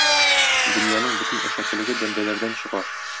Дөньяның бөтен әшәкелеге бәндәләрдән чыга.